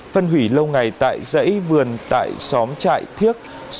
phân hủy lâu ngày tại dãy vườn tại xóm trại thiếc